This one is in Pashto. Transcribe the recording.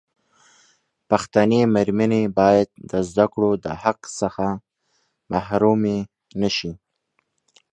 پښتنې مېرمنې باید د زدکړو دحق څخه محرومي نشي.